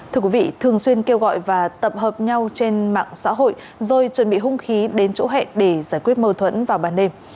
thưa quý vị thường xuyên kêu gọi và tập hợp nhau trên mạng xã hội rồi chuẩn bị hung khí đến chỗ hẹn để giải quyết mâu thuẫn vào ban đêm